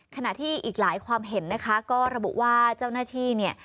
ขณะที่อีกหลายความเห็นนะคะก็ระบุว่าเจ้าหน้าที่เนี่ย